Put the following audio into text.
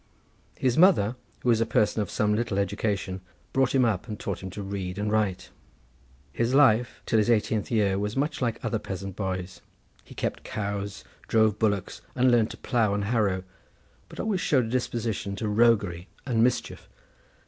His mother, who was a person of some little education, brought him up, and taught him to read and write. His life, till his eighteenth year, was much like that of other peasant boys; he kept crows, drove bullocks, and learned to plough and harrow, but always showed a disposition to roguery and mischief.